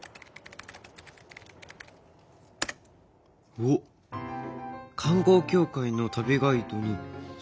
おっ観光協会の旅ガイドに新聞記事。